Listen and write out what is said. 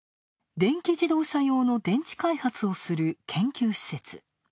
電気自動車用の電池開発をする研究施設。